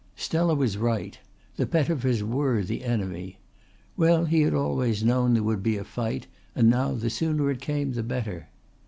Stella was right. The Pettifers were the enemy. Well, he had always known there would be a fight, and now the sooner it came the better.